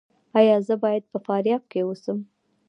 ایا زه باید په فاریاب کې اوسم؟